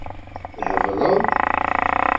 Thebleḍ.